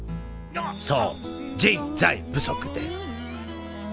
そう人材不足です